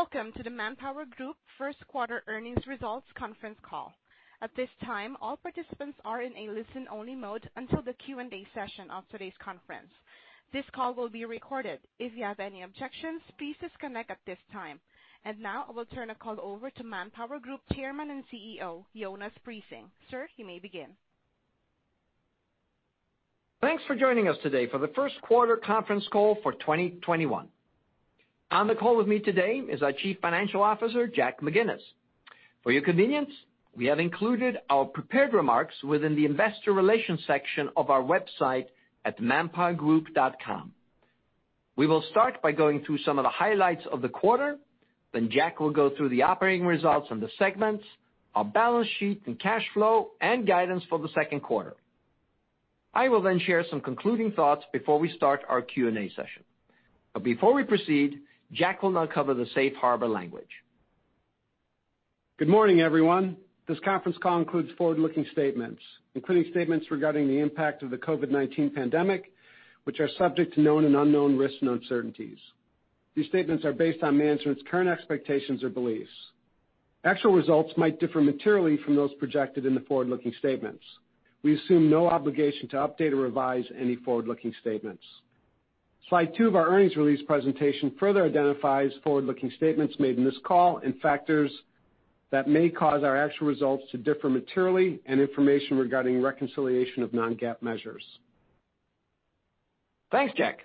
Welcome to the ManpowerGroup first quarter earnings results conference call. At this time, all participants are in a listen-only mode until the Q&A session of today's conference. This call will be recorded. If you have any objections, please disconnect at this time. Now I will turn the call over to ManpowerGroup Chairman and CEO, Jonas Prising. Sir, you may begin. Thanks for joining us today for the first quarter conference call for 2021. On the call with me today is our Chief Financial Officer, Jack McGinnis. For your convenience, we have included our prepared remarks within the investor relations section of our website at manpowergroup.com. We will start by going through some of the highlights of the quarter, then Jack will go through the operating results and the segments, our balance sheet and cash flow, and guidance for the second quarter. I will then share some concluding thoughts before we start our Q&A session. Before we proceed, Jack will now cover the safe harbor language. Good morning, everyone. This conference call includes forward-looking statements, including statements regarding the impact of the COVID-19 pandemic, which are subject to known and unknown risks and uncertainties. These statements are based on management's current expectations or beliefs. Actual results might differ materially from those projected in the forward-looking statements. We assume no obligation to update or revise any forward-looking statements. Slide two of our earnings release presentation further identifies forward-looking statements made in this call, and factors that may cause our actual results to differ materially, and information regarding reconciliation of non-GAAP measures. Thanks, Jack.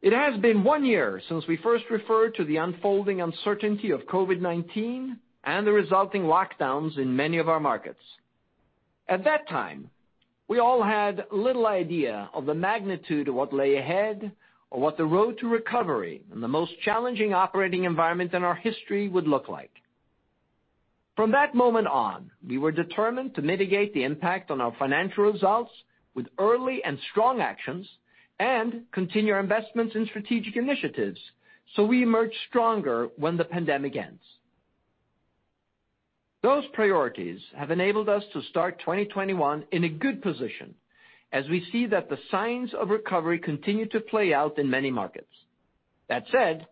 It has been one year since we first referred to the unfolding uncertainty of COVID-19 and the resulting lockdowns in many of our markets. At that time, we all had little idea of the magnitude of what lay ahead, or what the road to recovery in the most challenging operating environment in our history would look like. From that moment on, we were determined to mitigate the impact on our financial results with early and strong actions, continue our investments in strategic initiatives so we emerge stronger when the pandemic ends. Those priorities have enabled us to start 2021 in a good position, as we see that the signs of recovery continue to play out in many markets. That said,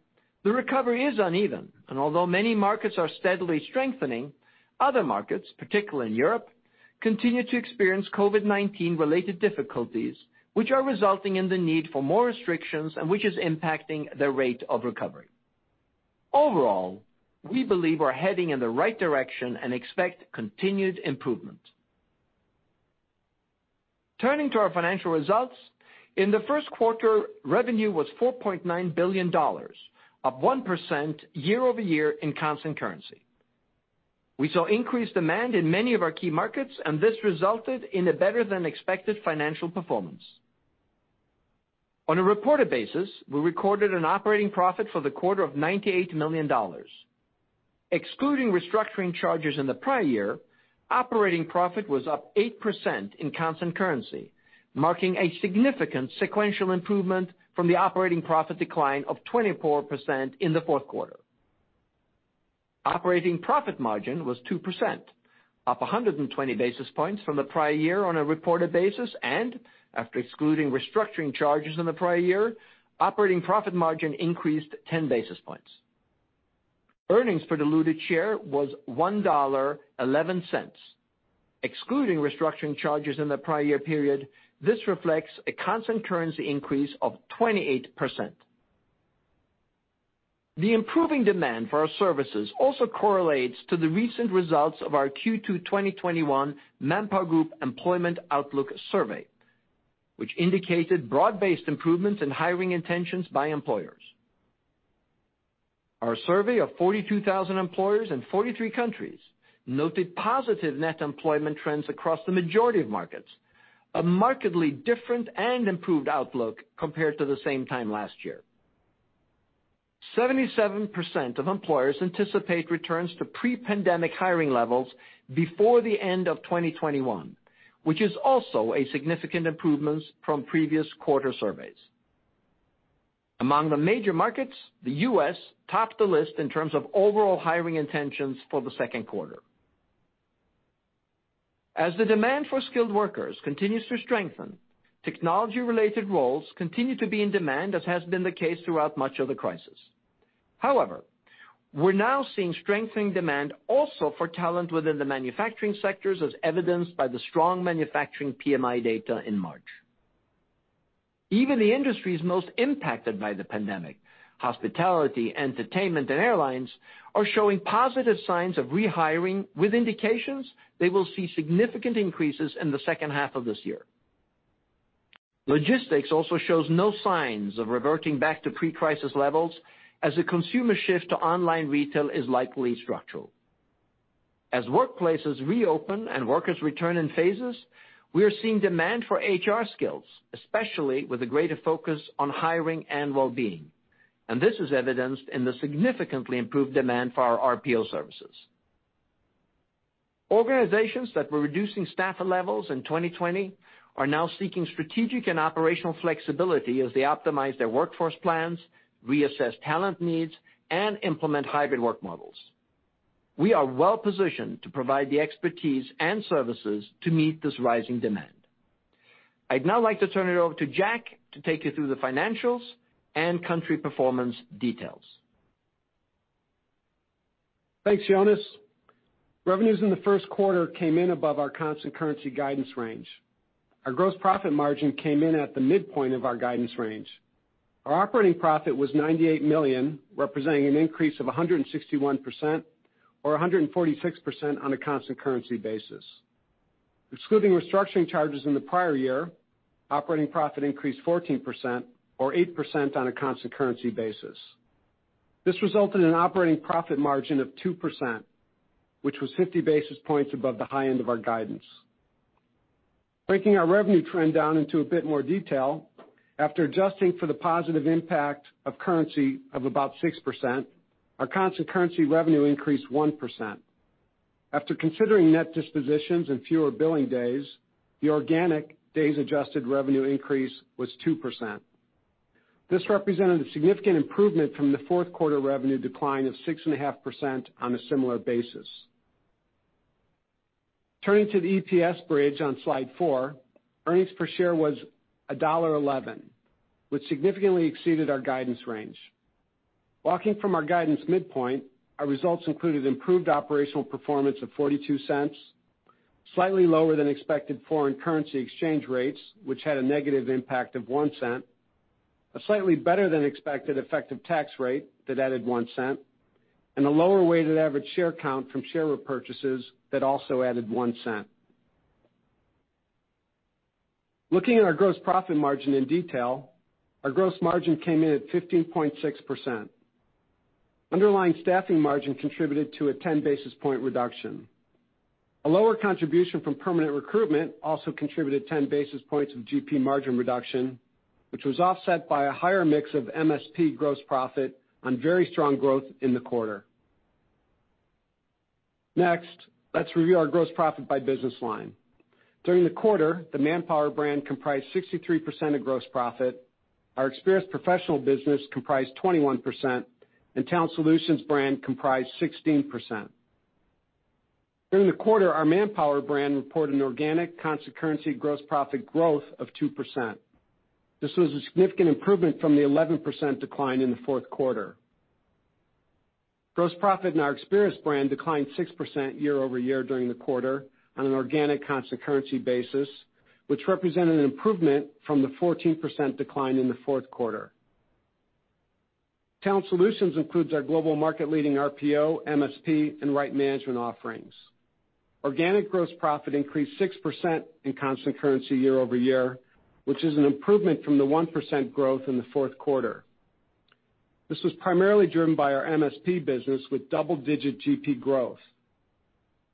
the recovery is uneven, and although many markets are steadily strengthening, other markets, particularly in Europe, continue to experience COVID-19 related difficulties, which are resulting in the need for more restrictions, and which is impacting the rate of recovery. Overall, we believe we're heading in the right direction and expect continued improvement. Turning to our financial results, in the first quarter, revenue was $4.9 billion, up 1% year-over-year in constant currency. We saw increased demand in many of our key markets, and this resulted in a better than expected financial performance. On a reported basis, we recorded an operating profit for the quarter of $98 million. Excluding restructuring charges in the prior year, operating profit was up 8% in constant currency, marking a significant sequential improvement from the operating profit decline of 24% in the fourth quarter. Operating profit margin was 2%, up 120 basis points from the prior year on a reported basis, and after excluding restructuring charges in the prior year, operating profit margin increased 10 basis points. Earnings per diluted share was $1.11. Excluding restructuring charges in the prior year period, this reflects a constant currency increase of 28%. The improving demand for our services also correlates to the recent results of our Q2 2021 ManpowerGroup Employment Outlook Survey, which indicated broad-based improvements in hiring intentions by employers. Our survey of 42,000 employers in 43 countries noted positive net employment trends across the majority of markets, a markedly different and improved outlook compared to the same time last year. 77% of employers anticipate returns to pre-pandemic hiring levels before the end of 2021, which is also a significant improvement from previous quarter surveys. Among the major markets, the U.S. topped the list in terms of overall hiring intentions for the second quarter. As the demand for skilled workers continues to strengthen, technology related roles continue to be in demand as has been the case throughout much of the crisis. However, we're now seeing strengthening demand also for talent within the manufacturing sectors, as evidenced by the strong manufacturing PMI data in March. Even the industries most impacted by the pandemic, hospitality, entertainment, and airlines, are showing positive signs of re-hiring with indications they will see significant increases in the second half of this year. Logistics also shows no signs of reverting back to pre-crisis levels as the consumer shift to online retail is likely structural. As workplaces reopen and workers return in phases, we are seeing demand for HR skills, especially with a greater focus on hiring and wellbeing, and this is evidenced in the significantly improved demand for our RPO services. Organizations that were reducing staff levels in 2020 are now seeking strategic and operational flexibility as they optimize their workforce plans, reassess talent needs, and implement hybrid work models. We are well positioned to provide the expertise and services to meet this rising demand. I'd now like to turn it over to Jack to take you through the financials and country performance details. Thanks, Jonas. Revenues in the first quarter came in above our constant currency guidance range. Our gross profit margin came in at the midpoint of our guidance range. Our operating profit was $198 million, representing an increase of 161%, or 146% on a constant currency basis. Excluding restructuring charges in the prior year, operating profit increased 14%, or 8% on a constant currency basis. This resulted in operating profit margin of 2%, which was 50 basis points above the high end of our guidance. Breaking our revenue trend down into a bit more detail, after adjusting for the positive impact of currency of about 6%, our constant currency revenue increased 1%. After considering net dispositions and fewer billing days, the organic days adjusted revenue increase was 2%. This represented a significant improvement from the fourth quarter revenue decline of 6.5% on a similar basis. Turning to the EPS bridge on Slide four, earnings per share was $1.11, which significantly exceeded our guidance range. Walking from our guidance midpoint, our results included improved operational performance of $0.42, slightly lower than expected foreign currency exchange rates, which had a negative impact of $0.01, a slightly better than expected effective tax rate that added $0.01, a lower weighted average share count from share repurchases that also added $0.01. Looking at our gross profit margin in detail, our gross margin came in at 15.6%. Underlying staffing margin contributed to a 10 basis point reduction. A lower contribution from permanent recruitment also contributed 10 basis points of GP margin reduction, which was offset by a higher mix of MSP gross profit on very strong growth in the quarter. Next, let's review our gross profit by business line. During the quarter, the Manpower brand comprised 63% of gross profit, our Experis professional business comprised 21%, and Talent Solutions brand comprised 16%. During the quarter, our Manpower brand reported an organic constant currency gross profit growth of 2%. This was a significant improvement from the 11% decline in the fourth quarter. Gross profit in our Experis brand declined 6% year-over-year during the quarter on an organic constant currency basis, which represented an improvement from the 14% decline in the fourth quarter. Talent Solutions includes our global market leading RPO, MSP, and Right Management offerings. Organic gross profit increased 6% in constant currency year-over-year, which is an improvement from the 1% growth in the fourth quarter. This was primarily driven by our MSP business, with double-digit GP growth.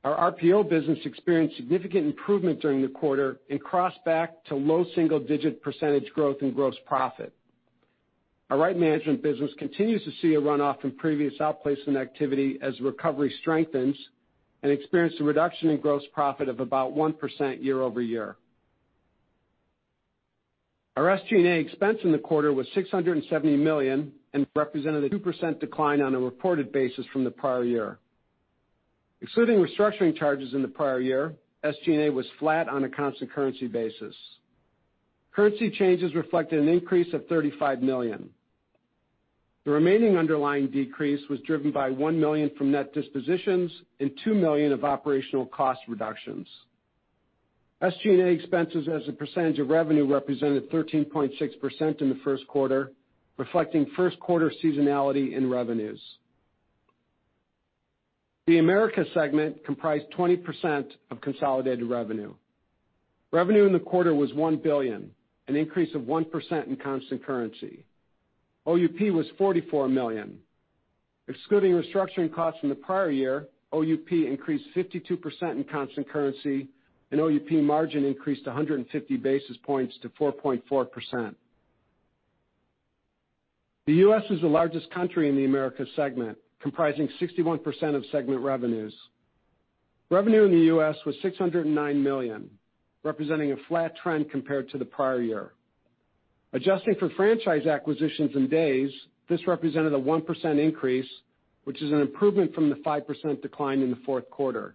Our RPO business experienced significant improvement during the quarter and crossed back to low single-digit percentage growth in gross profit. Our Right Management business continues to see a runoff from previous outplacement activity as recovery strengthens, and experienced a reduction in gross profit of about 1% year-over-year. Our SG&A expense in the quarter was $670 million and represented a 2% decline on a reported basis from the prior year. Excluding restructuring charges in the prior year, SG&A was flat on a constant currency basis. Currency changes reflected an increase of $35 million. The remaining underlying decrease was driven by $1 million from net dispositions and $2 million of operational cost reductions. SG&A expenses as a percentage of revenue represented 13.6% in the first quarter, reflecting first quarter seasonality in revenues. The America segment comprised 20% of consolidated revenue. Revenue in the quarter was $1 billion, an increase of 1% in constant currency. OUP was $44 million. Excluding restructuring costs from the prior year, OUP increased 52% in constant currency, and OUP margin increased 150 basis points to 4.4%. The U.S. is the largest country in the Americas segment, comprising 61% of segment revenues. Revenue in the U.S. was $609 million, representing a flat trend compared to the prior year. Adjusting for franchise acquisitions and days, this represented a 1% increase, which is an improvement from the 5% decline in the fourth quarter.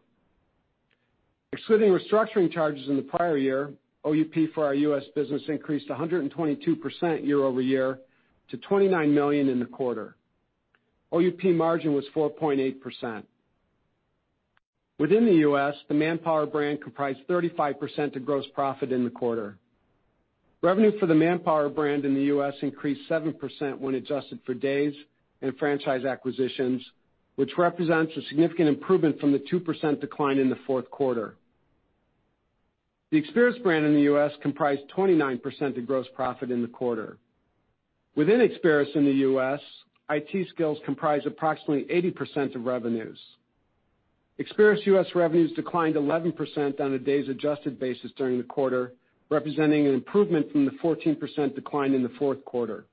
Excluding restructuring charges in the prior year, OUP for our U.S. business increased 122% year-over-year to $29 million in the quarter. OUP margin was 4.8%. Within the U.S., the Manpower brand comprised 35% of gross profit in the quarter. Revenue for the Manpower brand in the U.S. increased 7% when adjusted for days and franchise acquisitions, which represents a significant improvement from the 2% decline in the fourth quarter. The Experis brand in the U.S. comprised 29% of gross profit in the quarter. Within Experis in the U.S., IT skills comprised approximately 80% of revenues. Experis U.S. revenues declined 11% on a days adjusted basis during the quarter, representing an improvement from the 14% decline in the fourth quarter.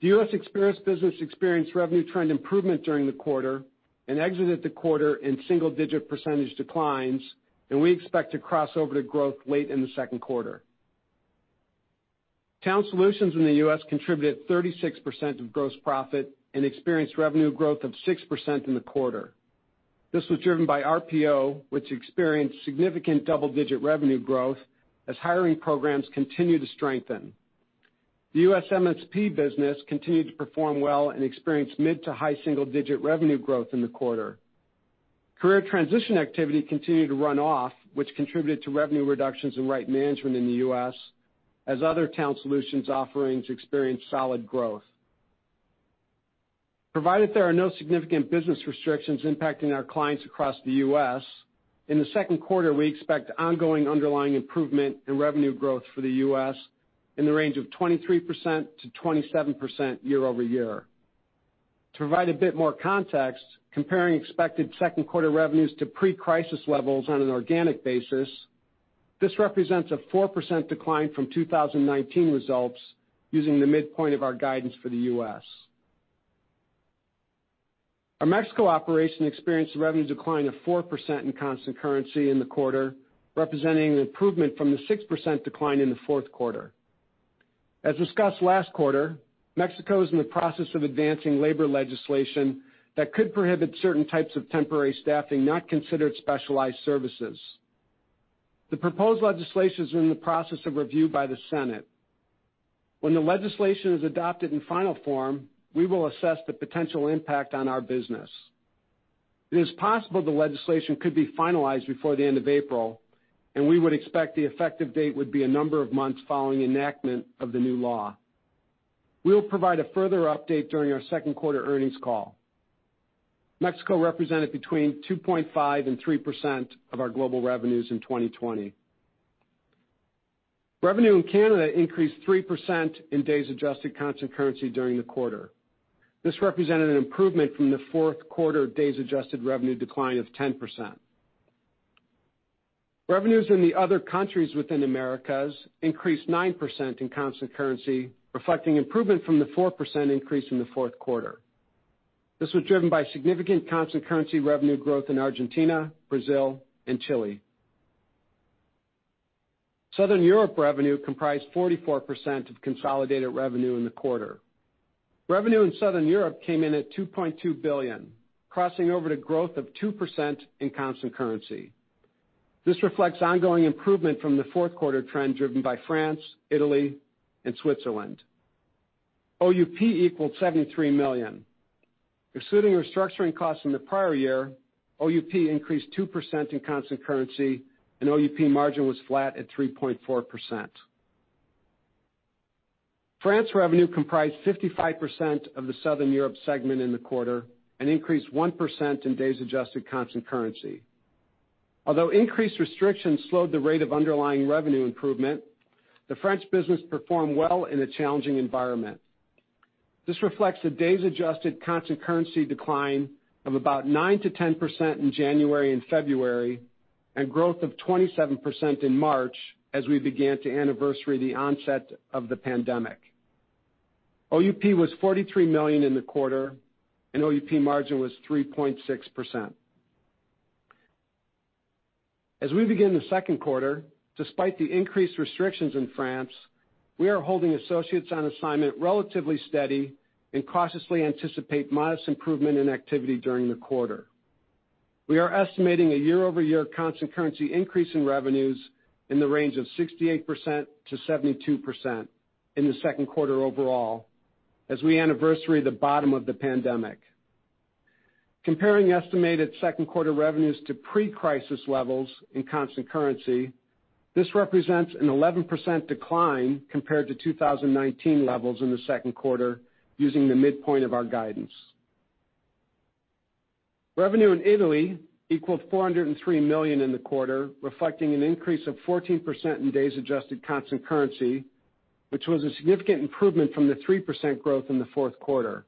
The U.S. Experis business experienced revenue trend improvement during the quarter and exited the quarter in single-digit percentage declines, and we expect to cross over to growth late in the second quarter. Talent Solutions in the U.S. contributed 36% of gross profit and experienced revenue growth of 6% in the quarter. This was driven by RPO, which experienced significant double-digit revenue growth as hiring programs continue to strengthen. The U.S. MSP business continued to perform well and experienced mid to high single-digit revenue growth in the quarter. Career transition activity continued to run off, which contributed to revenue reductions in Right Management in the U.S., as other Talent Solutions offerings experienced solid growth. Provided there are no significant business restrictions impacting our clients across the U.S., in the second quarter, we expect ongoing underlying improvement in revenue growth for the U.S. in the range of 23%-27% year-over-year. To provide a bit more context, comparing expected second quarter revenues to pre-crisis levels on an organic basis, this represents a 4% decline from 2019 results using the midpoint of our guidance for the U.S. Our Mexico operation experienced a revenue decline of 4% in constant currency in the quarter, representing an improvement from the 6% decline in the fourth quarter. As discussed last quarter, Mexico is in the process of advancing labor legislation that could prohibit certain types of temporary staffing not considered specialized services. The proposed legislation is in the process of review by the Senate. When the legislation is adopted in final form, we will assess the potential impact on our business. It is possible the legislation could be finalized before the end of April, and we would expect the effective date would be a number of months following enactment of the new law. We'll provide a further update during our second quarter earnings call. Mexico represented between 2.5% and 3% of our global revenues in 2020. Revenue in Canada increased 3% in days adjusted constant currency during the quarter. This represented an improvement from the fourth quarter days adjusted revenue decline of 10%. Revenues in the other countries within Americas increased 9% in constant currency, reflecting improvement from the 4% increase in the fourth quarter. This was driven by significant constant currency revenue growth in Argentina, Brazil, and Chile. Southern Europe revenue comprised 44% of consolidated revenue in the quarter. Revenue in Southern Europe came in at $2.2 billion, crossing over to growth of 2% in constant currency. This reflects ongoing improvement from the fourth quarter trend driven by France, Italy, and Switzerland. OUP equaled $73 million. Excluding restructuring costs from the prior year, OUP increased 2% in constant currency, and OUP margin was flat at 3.4%. France revenue comprised 55% of the Southern Europe segment in the quarter and increased 1% in days adjusted constant currency. Although increased restrictions slowed the rate of underlying revenue improvement, the French business performed well in a challenging environment. This reflects the days adjusted constant currency decline of about 9%-10% in January and February, and growth of 27% in March as we began to anniversary the onset of the pandemic. OUP was $43 million in the quarter, and OUP margin was 3.6%. As we begin the second quarter, despite the increased restrictions in France, we are holding associates on assignment relatively steady and cautiously anticipate modest improvement in activity during the quarter. We are estimating a year-over-year constant currency increase in revenues in the range of 68%-72% in the second quarter overall as we anniversary the bottom of the pandemic. Comparing estimated second quarter revenues to pre-crisis levels in constant currency, this represents an 11% decline compared to 2019 levels in the second quarter using the midpoint of our guidance. Revenue in Italy equaled $403 million in the quarter, reflecting an increase of 14% in days adjusted constant currency, which was a significant improvement from the 3% growth in the fourth quarter.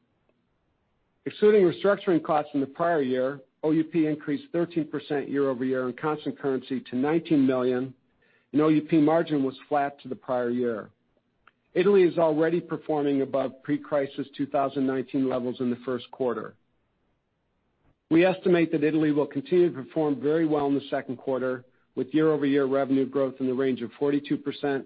Excluding restructuring costs from the prior year, OUP increased 13% year-over-year in constant currency to $19 million, and OUP margin was flat to the prior year. Italy is already performing above pre-crisis 2019 levels in the first quarter. We estimate that Italy will continue to perform very well in the second quarter with year-over-year revenue growth in the range of 42%-46%.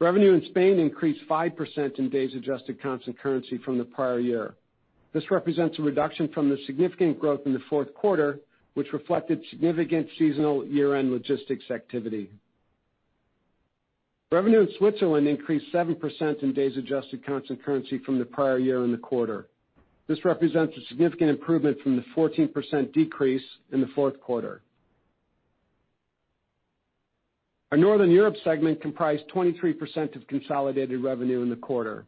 Revenue in Spain increased 5% in days adjusted constant currency from the prior year. This represents a reduction from the significant growth in the fourth quarter, which reflected significant seasonal year-end logistics activity. Revenue in Switzerland increased 7% in days adjusted constant currency from the prior year in the quarter. This represents a significant improvement from the 14% decrease in the fourth quarter. Our Northern Europe segment comprised 23% of consolidated revenue in the quarter.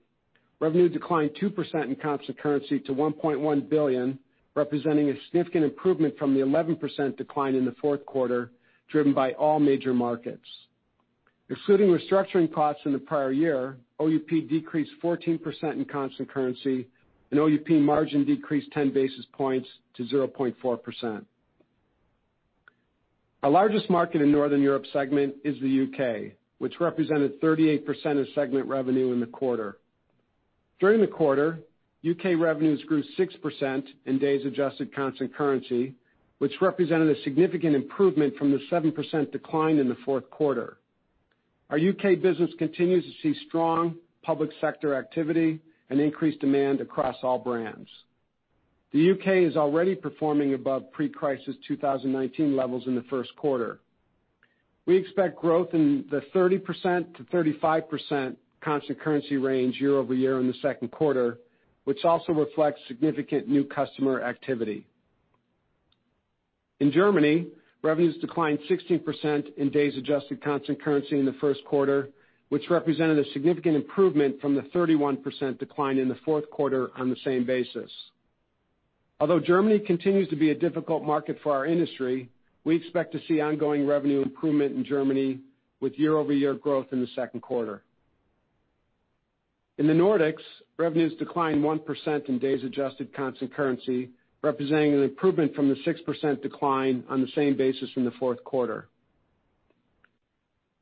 Revenue declined 2% in constant currency to $1.1 billion, representing a significant improvement from the 11% decline in the fourth quarter, driven by all major markets. Excluding restructuring costs in the prior year, OUP decreased 14% in constant currency, and OUP margin decreased 10 basis points to 0.4%. Our largest market in Northern Europe segment is the U.K., which represented 38% of segment revenue in the quarter. During the quarter, U.K. revenues grew 6% in days adjusted constant currency, which represented a significant improvement from the 7% decline in the fourth quarter. Our U.K. business continues to see strong public sector activity and increased demand across all brands. The U.K. is already performing above pre-crisis 2019 levels in the first quarter. We expect growth in the 30%-35% constant currency range year-over-year in the second quarter, which also reflects significant new customer activity. In Germany, revenues declined 16% in days adjusted constant currency in the first quarter, which represented a significant improvement from the 31% decline in the fourth quarter on the same basis. Although Germany continues to be a difficult market for our industry, we expect to see ongoing revenue improvement in Germany with year-over-year growth in the second quarter. In the Nordics, revenues declined 1% in days adjusted constant currency, representing an improvement from the 6% decline on the same basis from the fourth quarter.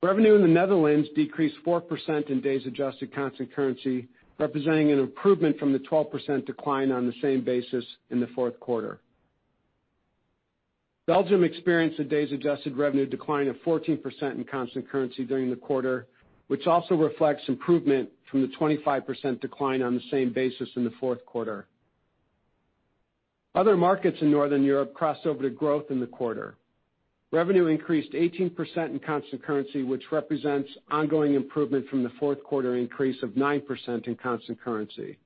Revenue in the Netherlands decreased 4% in days adjusted constant currency, representing an improvement from the 12% decline on the same basis in the fourth quarter. Belgium experienced a days-adjusted revenue decline of 14% in constant currency during the quarter, which also reflects improvement from the 25% decline on the same basis in the fourth quarter. Other markets in Northern Europe crossed over to growth in the quarter. Revenue increased 18% in constant currency, which represents ongoing improvement from the fourth quarter increase of 9% in constant currency.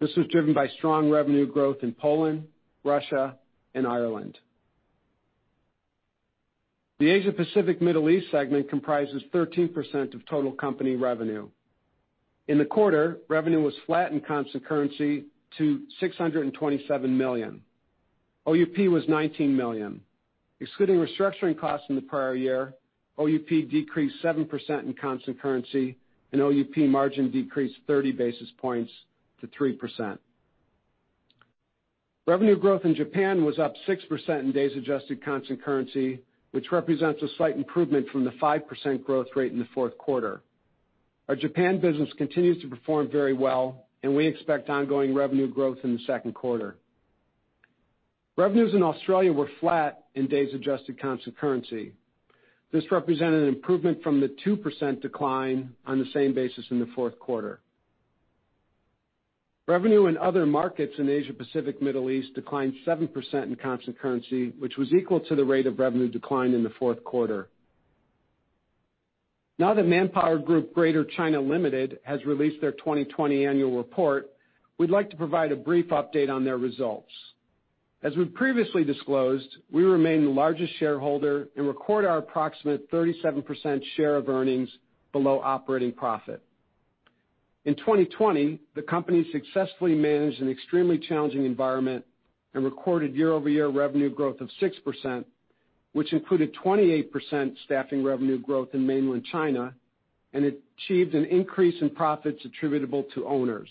This was driven by strong revenue growth in Poland, Russia, and Ireland. The Asia Pacific Middle East segment comprises 13% of total company revenue. In the quarter, revenue was flat in constant currency to $627 million. OUP was $19 million. Excluding restructuring costs in the prior year, OUP decreased 7% in constant currency, and OUP margin decreased 30 basis points to 3%. Revenue growth in Japan was up 6% in days adjusted constant currency, which represents a slight improvement from the 5% growth rate in the fourth quarter. Our Japan business continues to perform very well, and we expect ongoing revenue growth in the second quarter. Revenues in Australia were flat in days adjusted constant currency. This represented an improvement from the 2% decline on the same basis in the fourth quarter. Revenue in other markets in Asia Pacific, Middle East declined 7% in constant currency, which was equal to the rate of revenue decline in the fourth quarter. Now that ManpowerGroup Greater China Limited has released their 2020 annual report, we'd like to provide a brief update on their results. As we've previously disclosed, we remain the largest shareholder and record our approximate 37% share of earnings below operating profit. In 2020, the company successfully managed an extremely challenging environment and recorded year-over-year revenue growth of 6%, which included 28% staffing revenue growth in mainland China, and achieved an increase in profits attributable to owners.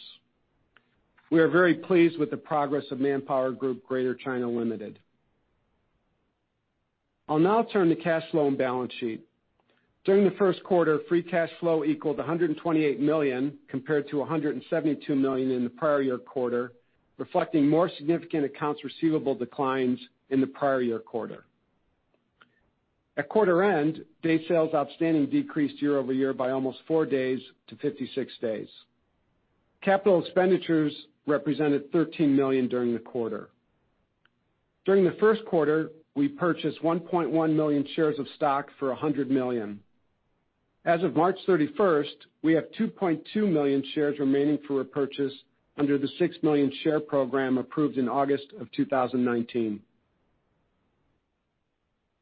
We are very pleased with the progress of ManpowerGroup Greater China Limited. I'll now turn to cash flow and balance sheet. During the first quarter, free cash flow equaled $128 million compared to $172 million in the prior year quarter, reflecting more significant accounts receivable declines in the prior year quarter. At quarter end, day sales outstanding decreased year-over-year by almost four days to 56 days. Capital expenditures represented $13 million during the quarter. During the first quarter, we purchased 1.1 million shares of stock for $100 million. As of March 31st, we have 2.2 million shares remaining for repurchase under the 6 million share program approved in August of 2019.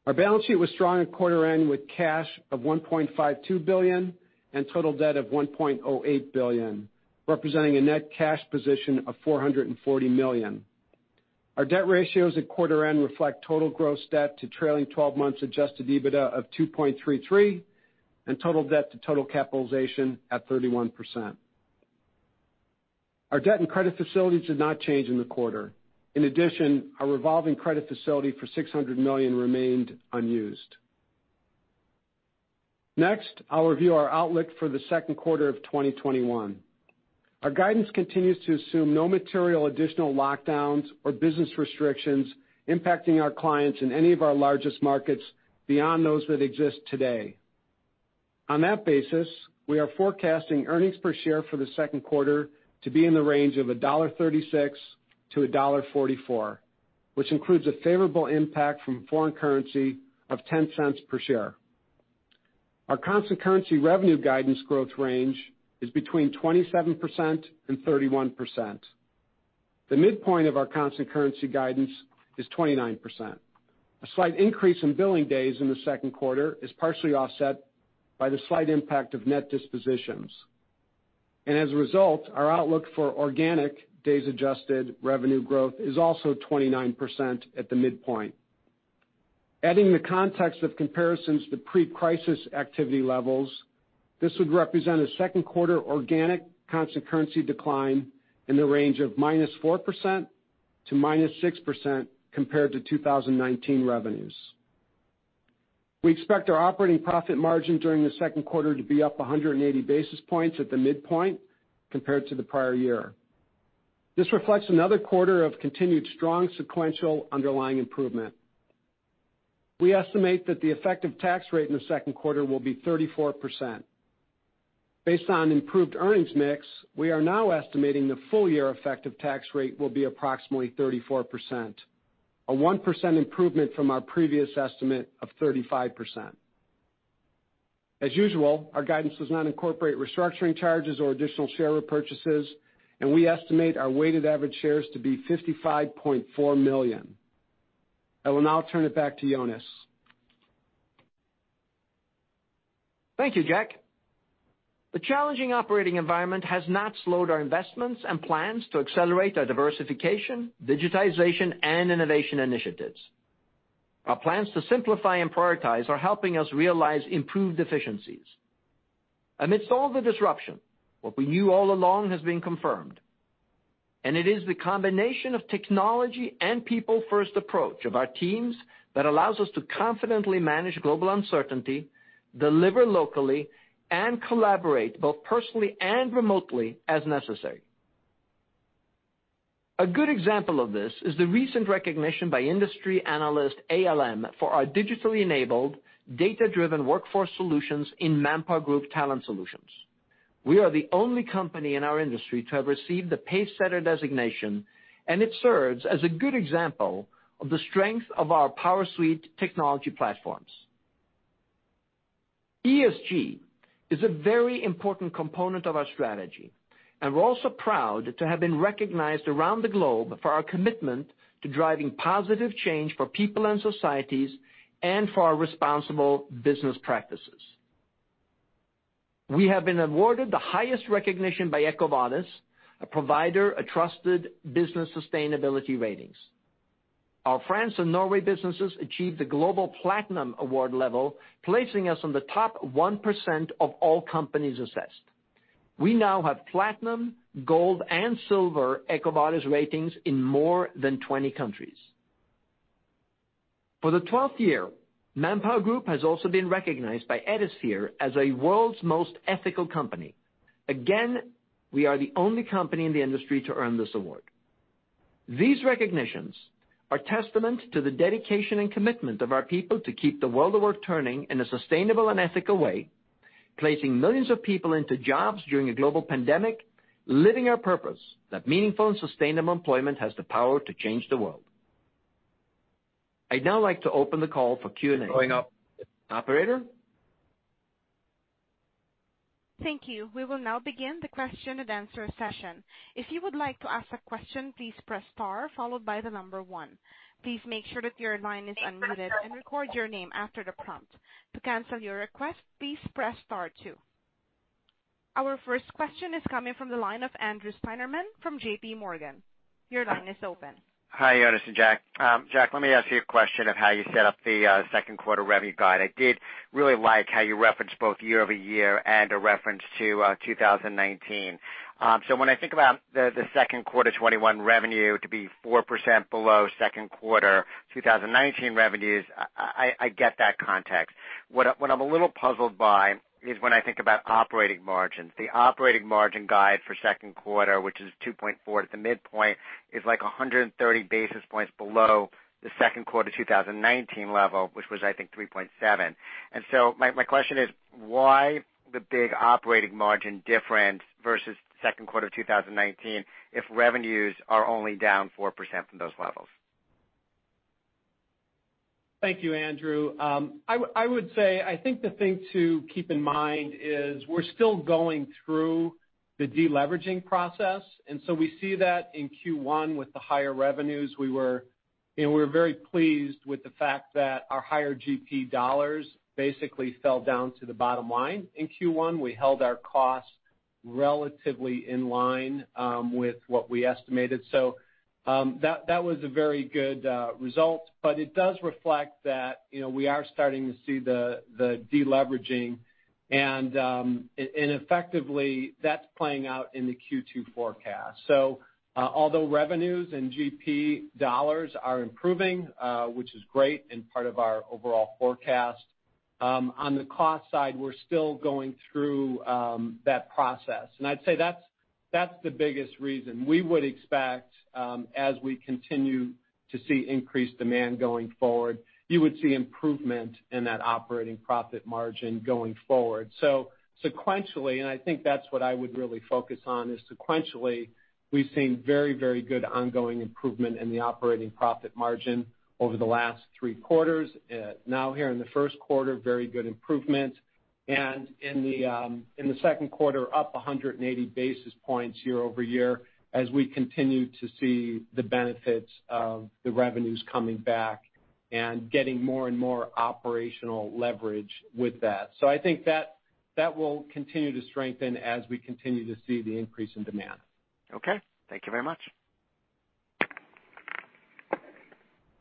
Our balance sheet was strong at quarter end with cash of $1.52 billion and total debt of $1.08 billion, representing a net cash position of $440 million. Our debt ratios at quarter end reflect total gross debt to trailing 12 months adjusted EBITDA of 2.33 and total debt to total capitalization at 31%. Our debt and credit facilities did not change in the quarter. Our revolving credit facility for $600 million remained unused. I'll review our outlook for the second quarter of 2021. Our guidance continues to assume no material additional lockdowns or business restrictions impacting our clients in any of our largest markets beyond those that exist today. We are forecasting earnings per share for the second quarter to be in the range of $1.36-$1.44, which includes a favorable impact from foreign currency of $0.10 per share. Our constant currency revenue guidance growth range is between 27% and 31%. The midpoint of our constant currency guidance is 29%. A slight increase in billing days in the second quarter is partially offset by the slight impact of net dispositions. As a result, our outlook for organic days adjusted revenue growth is also 29% at the midpoint. Adding the context of comparisons to pre-crisis activity levels, this would represent a second quarter organic constant currency decline in the range of -4% to -6% compared to 2019 revenues. We expect our operating profit margin during the second quarter to be up 180 basis points at the midpoint compared to the prior year. This reflects another quarter of continued strong sequential underlying improvement. We estimate that the effective tax rate in the second quarter will be 34%. Based on improved earnings mix, we are now estimating the full year effective tax rate will be approximately 34%, a 1% improvement from our previous estimate of 35%. As usual, our guidance does not incorporate restructuring charges or additional share repurchases, and we estimate our weighted average shares to be 55.4 million. I will now turn it back to Jonas. Thank you, Jack. The challenging operating environment has not slowed our investments and plans to accelerate our diversification, digitization, and innovation initiatives. Our plans to simplify and prioritize are helping us realize improved efficiencies. Amidst all the disruption, what we knew all along has been confirmed, and it is the combination of technology and people-first approach of our teams that allows us to confidently manage global uncertainty, deliver locally, and collaborate both personally and remotely as necessary. A good example of this is the recent recognition by industry analyst ALM for our digitally enabled data-driven workforce solutions in ManpowerGroup Talent Solutions. We are the only company in our industry to have received the Pacesetter designation, and it serves as a good example of the strength of our PowerSuite technology platforms. ESG is a very important component of our strategy. We're also proud to have been recognized around the globe for our commitment to driving positive change for people and societies and for our responsible business practices. We have been awarded the highest recognition by EcoVadis, a provider of trusted business sustainability ratings. Our France and Norway businesses achieved the global platinum award level, placing us in the top 1% of all companies assessed. We now have platinum, gold and silver EcoVadis ratings in more than 20 countries. For the 12th year, ManpowerGroup has also been recognized by Ethisphere as a World's Most Ethical Company. Again, we are the only company in the industry to earn this award. These recognitions are testament to the dedication and commitment of our people to keep the world of work turning in a sustainable and ethical way, placing millions of people into jobs during a global pandemic, living our purpose, that meaningful and sustainable employment has the power to change the world. I'd now like to open the call for Q&A. Going up. Operator? Thank you. We will now begin the question-and-answer session. If you would like to ask a question, please press star followed by the number one. Please make sure that your line is unmuted and record your name after the prompt. To cancel your request, please press star two. Our first question is coming from the line of Andrew Steinerman from JPMorgan. Your line is open. Hi, Jonas and Jack. Jack, let me ask you a question of how you set up the second quarter revenue guide. I did really like how you referenced both year-over-year and a reference to 2019. When I think about the second quarter 2021 revenue to be 4% below second quarter 2019 revenues, I get that context. What I'm a little puzzled by is when I think about operating margins. The operating margin guide for second quarter, which is 2.4% at the midpoint, is like 130 basis points below the second quarter 2019 level, which was, I think, 3.7%. My question is, why the big operating margin difference versus second quarter 2019 if revenues are only down 4% from those levels? Thank you, Andrew. I would say, I think the thing to keep in mind is we're still going through the deleveraging process. We see that in Q1 with the higher revenues. We were very pleased with the fact that our higher GP dollars basically fell down to the bottom line in Q1. We held our costs relatively in line with what we estimated. That was a very good result. It does reflect that we are starting to see the deleveraging, and effectively, that's playing out in the Q2 forecast. Although revenues and GP dollars are improving, which is great and part of our overall forecast, on the cost side, we're still going through that process. I'd say that's the biggest reason. We would expect, as we continue to see increased demand going forward, you would see improvement in that operating profit margin going forward. Sequentially, and I think that's what I would really focus on, is sequentially, we've seen very, very good ongoing improvement in the operating profit margin over the last three quarters. Here in the first quarter, very good improvement and in the second quarter, up 180 basis points year-over-year as we continue to see the benefits of the revenues coming back and getting more and more operational leverage with that. I think that will continue to strengthen as we continue to see the increase in demand. Okay. Thank you very much.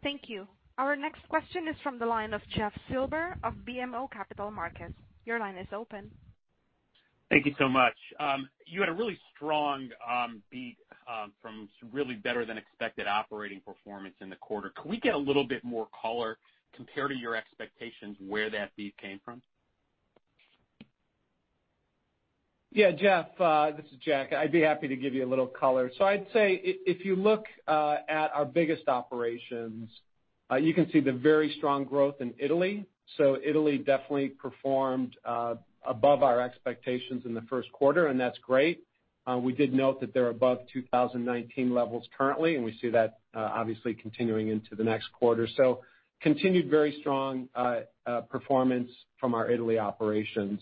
Thank you. Our next question is from the line of Jeff Silber of BMO Capital Markets. Your line is open. Thank you so much. You had a really strong beat from really better than expected operating performance in the quarter. Can we get a little bit more color compared to your expectations, where that beat came from? Yeah, Jeff, this is Jack. I'd be happy to give you a little color. I'd say if you look at our biggest operations, you can see the very strong growth in Italy. Italy definitely performed above our expectations in the first quarter, and that's great. We did note that they're above 2019 levels currently, and we see that obviously continuing into the next quarter. Continued very strong performance from our Italy operations.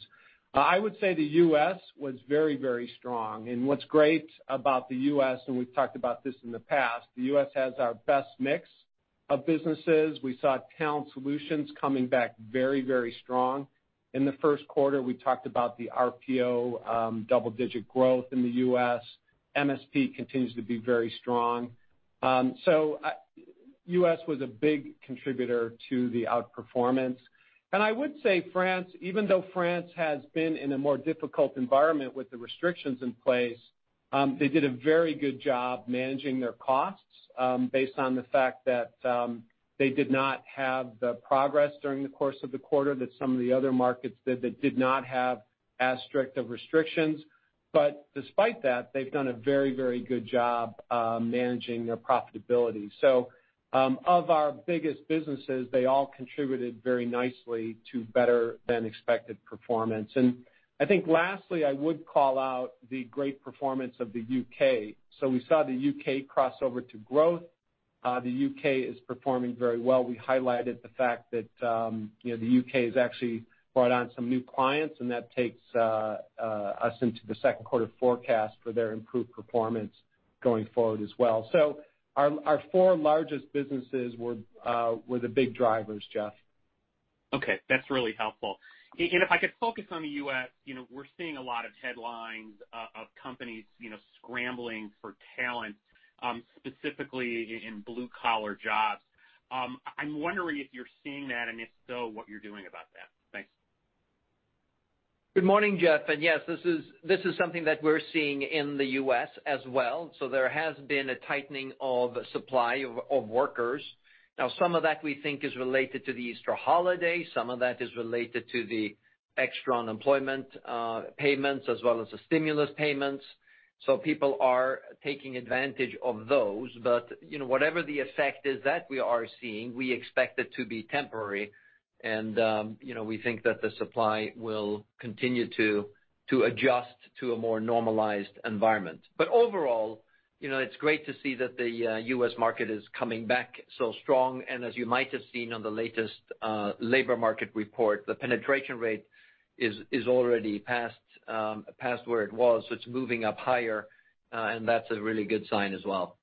I would say the U.S. was very strong. What's great about the U.S., and we've talked about this in the past, the U.S. has our best mix of businesses. We saw Talent Solutions coming back very strong. In the first quarter, we talked about the RPO double-digit growth in the U.S. MSP continues to be very strong. U.S. was a big contributor to the outperformance. I would say France, even though France has been in a more difficult environment with the restrictions in place, they did a very good job managing their costs based on the fact that they did not have the progress during the course of the quarter that some of the other markets did that did not have as strict of restrictions. Despite that, they've done a very good job managing their profitability. Of our biggest businesses, they all contributed very nicely to better than expected performance. I think lastly, I would call out the great performance of the U.K. We saw the U.K. cross over to growth. The U.K. is performing very well. We highlighted the fact that the U.K. has actually brought on some new clients, and that takes us into the second quarter forecast for their improved performance going forward as well. Our four largest businesses were the big drivers, Jeff. Okay. That's really helpful. If I could focus on the U.S., we're seeing a lot of headlines of companies scrambling for talent, specifically in blue-collar jobs. I'm wondering if you're seeing that, and if so, what you're doing about that. Thanks. Good morning, Jeff. Yes, this is something that we're seeing in the U.S. as well. There has been a tightening of supply of workers. Now, some of that we think is related to the Easter holiday. Some of that is related to the extra unemployment payments as well as the stimulus payments. People are taking advantage of those. Whatever the effect is that we are seeing, we expect it to be temporary. We think that the supply will continue to adjust to a more normalized environment. Overall, it's great to see that the U.S. market is coming back so strong. As you might have seen on the latest labor market report, the penetration rate is already past where it was. It's moving up higher, and that's a really good sign as well.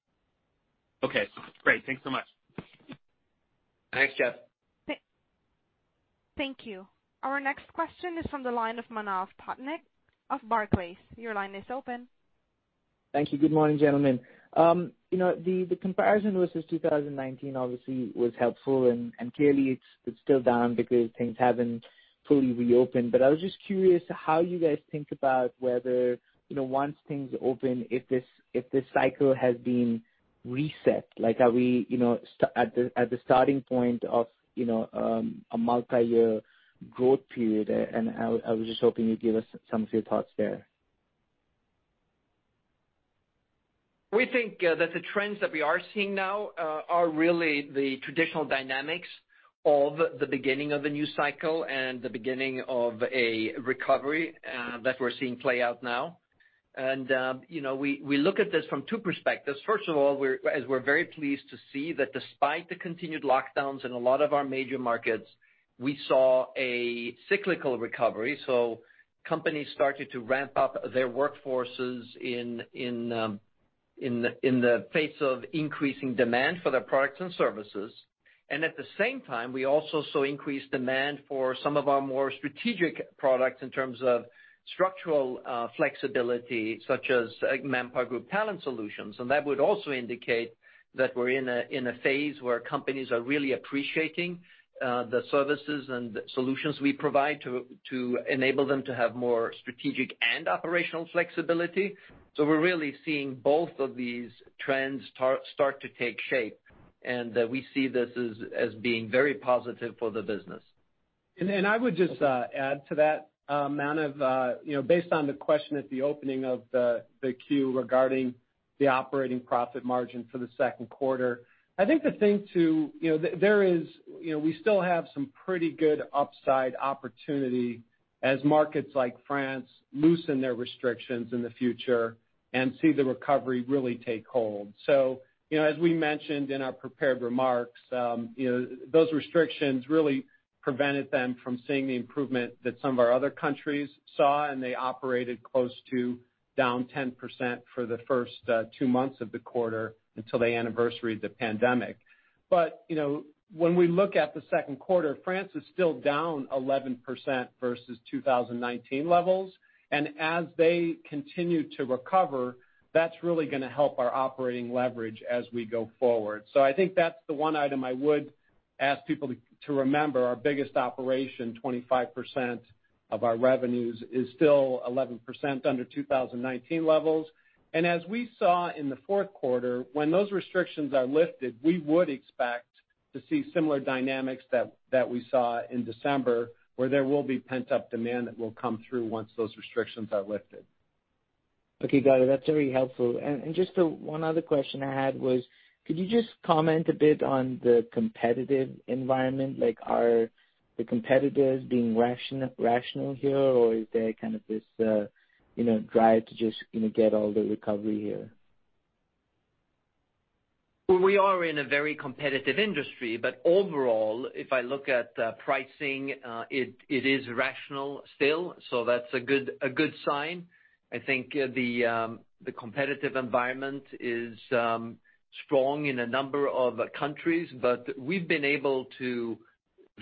Okay, great. Thanks so much. Thanks, Jeff. Thank you. Our next question is from the line of Manav Patnaik of Barclays. Your line is open. Thank you. Good morning, gentlemen. The comparison versus 2019 obviously was helpful. Clearly it's still down because things haven't fully reopened. I was just curious how you guys think about whether, once things open, if this cycle has been reset. Are we at the starting point of a multi-year growth period? I was just hoping you'd give us some of your thoughts there. We think that the trends that we are seeing now are really the traditional dynamics of the beginning of a new cycle and the beginning of a recovery that we're seeing play out now. We look at this from two perspectives. First of all, as we're very pleased to see that despite the continued lockdowns in a lot of our major markets, we saw a cyclical recovery. Companies started to ramp up their workforces in the face of increasing demand for their products and services. At the same time, we also saw increased demand for some of our more strategic products in terms of structural flexibility, such as ManpowerGroup Talent Solutions. That would also indicate that we're in a phase where companies are really appreciating the services and solutions we provide to enable them to have more strategic and operational flexibility. We're really seeing both of these trends start to take shape, and we see this as being very positive for the business. I would just add to that, Manav, based on the question at the opening of the queue regarding the operating profit margin for the second quarter. I think we still have some pretty good upside opportunity as markets like France loosen their restrictions in the future and see the recovery really take hold. As we mentioned in our prepared remarks, those restrictions really prevented them from seeing the improvement that some of our other countries saw, and they operated close to down 10% for the first two months of the quarter until they anniversaried the pandemic. When we look at the second quarter, France is still down 11% versus 2019 levels. And as they continue to recover, that's really going to help our operating leverage as we go forward. I think that's the one item I would ask people to remember. Our biggest operation, 25% of our revenues, is still 11% under 2019 levels. As we saw in the fourth quarter, when those restrictions are lifted, we would expect to see similar dynamics that we saw in December, where there will be pent-up demand that will come through once those restrictions are lifted. Okay, got it. That's very helpful. Just one other question I had was, could you just comment a bit on the competitive environment? Like are the competitors being rational here, or is there kind of this drive to just get all the recovery here? We are in a very competitive industry, but overall, if I look at pricing, it is rational still. That's a good sign. I think the competitive environment is strong in a number of countries. We've been able to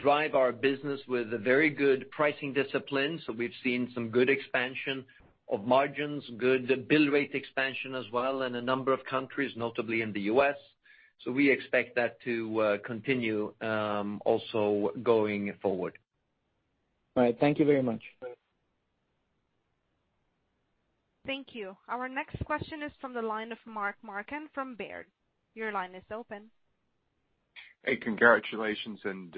drive our business with a very good pricing discipline. We've seen some good expansion of margins, good bill rate expansion as well in a number of countries, notably in the U.S. We expect that to continue, also, going forward. All right. Thank you very much. Thank you. Our next question is from the line of Mark Marcon from Baird. Your line is open. Hey, congratulations on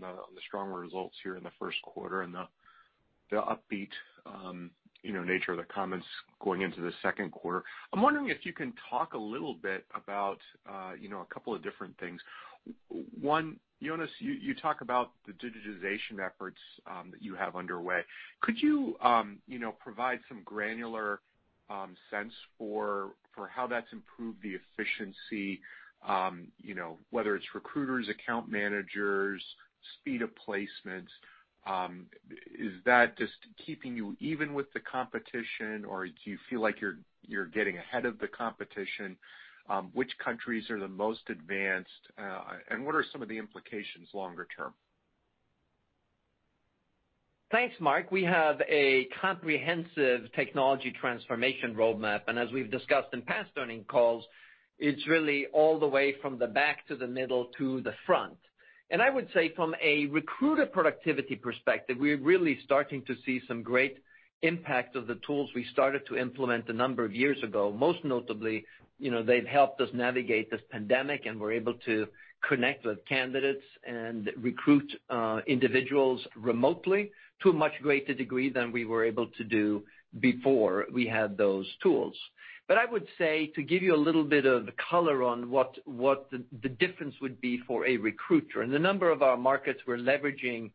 the stronger results here in the first quarter and the upbeat nature of the comments going into the second quarter. I'm wondering if you can talk a little bit about a couple of different things. One, Jonas, you talk about the digitization efforts that you have underway. Could you provide some granular sense for how that's improved the efficiency? Whether it's recruiters, account managers, speed of placements. Is that just keeping you even with the competition, or do you feel like you're getting ahead of the competition? Which countries are the most advanced? What are some of the implications longer term? Thanks, Mark. We have a comprehensive technology transformation roadmap, as we've discussed in past earnings calls, it's really all the way from the back to the middle to the front. I would say from a recruiter productivity perspective, we're really starting to see some great impact of the tools we started to implement a number of years ago. Most notably, they've helped us navigate this pandemic, we're able to connect with candidates and recruit individuals remotely to a much greater degree than we were able to do before we had those tools. I would say, to give you a little bit of color on what the difference would be for a recruiter. In a number of our markets, we're leveraging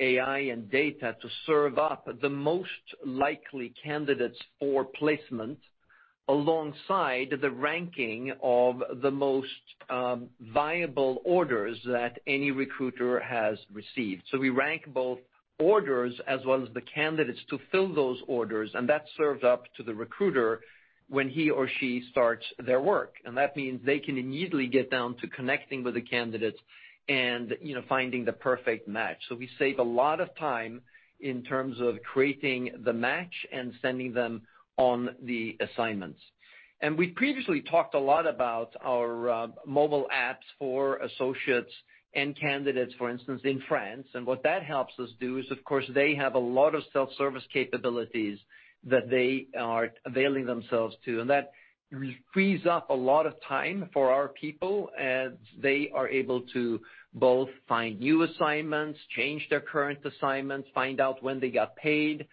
AI and data to serve up the most likely candidates for placement alongside the ranking of the most viable orders that any recruiter has received. We rank both orders as well as the candidates to fill those orders, and that's served up to the recruiter when he or she starts their work. That means they can immediately get down to connecting with the candidates and finding the perfect match. We save a lot of time in terms of creating the match and sending them on the assignments. We previously talked a lot about our mobile apps for associates and candidates, for instance, in France. What that helps us do is, of course, they have a lot of self-service capabilities that they are availing themselves to. That frees up a lot of time for our people, as they are able to both find new assignments, change their current assignments, find out when they got paid.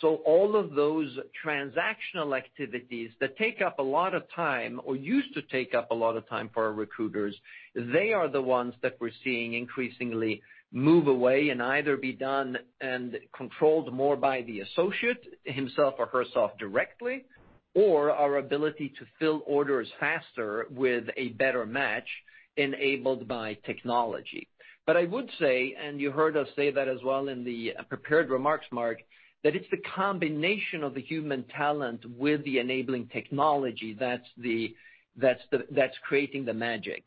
All of those transactional activities that take up a lot of time or used to take up a lot of time for our recruiters, they are the ones that we're seeing increasingly move away and either be done and controlled more by the associate himself or herself directly, or our ability to fill orders faster with a better match enabled by technology. I would say, and you heard us say that as well in the prepared remarks, Mark, that it's the combination of the human talent with the enabling technology that's creating the magic.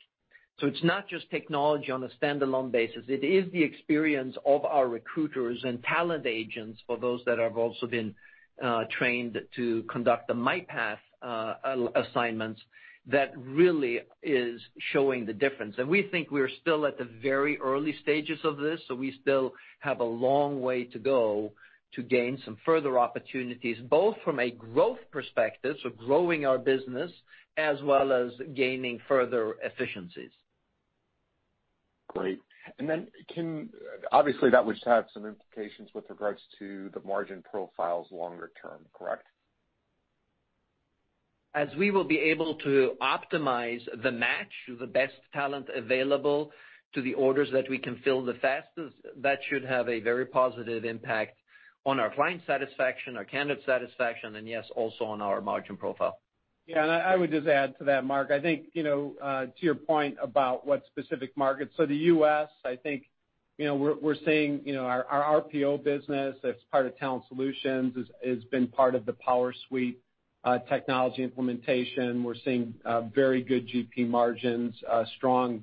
It's not just technology on a standalone basis. It is the experience of our recruiters and talent agents for those that have also been trained to conduct the MyPath assignments that really is showing the difference. We think we're still at the very early stages of this, so we still have a long way to go to gain some further opportunities, both from a growth perspective, so growing our business, as well as gaining further efficiencies. Great. Obviously that would have some implications with regards to the margin profiles longer term, correct? We will be able to optimize the match of the best talent available to the orders that we can fill the fastest, that should have a very positive impact on our client satisfaction, our candidate satisfaction, and yes, also on our margin profile. Yeah, I would just add to that, Mark, I think to your point about what specific markets. The U.S., I think we're seeing our RPO business as part of Talent Solutions, has been part of the PowerSuite technology implementation. We're seeing very good GP margins,